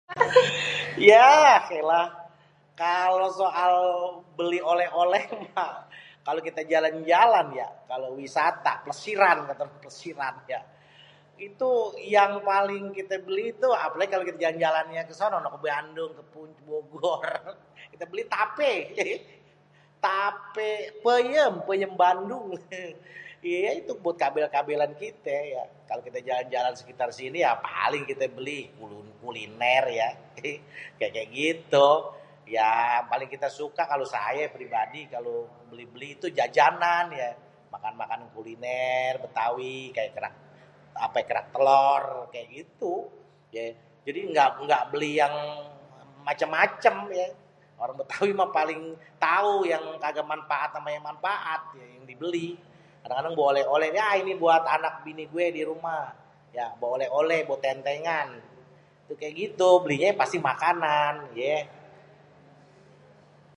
yeh iléh kalo soal beli oleh-oleh mah kalo kite jalan-jalan ya kalo wisata plesiran ya plesiran, itu yang paling kite beli tuh apelagi kite kalo jalan jalannye kesono noh ke Bandung ke Bogor, kita beli tape jadi, tape peyem-peyem bandung ye itu buat kabel-kabelan kite ya, kalo kita jalan-jalan sekitar sini ya paling kite beli kuliner-kuliner ya eee jadi kaya-kaya gitu ya paling kite suka saye kalo pribadi jadi kalo beli-beli jajanan ya makan-makanan kuliner betawi kaya kerak ape kerak telor kaya gitu yé jadi ga beli-beli yang macem-macem yé kalo betawi mah paling tau yang manfaat mane yang ga manfaat yang dibeli kadang-kadang bawa oleh-oleh yah ini buat anak bini gué di ruméh ya bawa oleh-oleh bawa tentengan itu kaya gitu belinye pasti makanan yé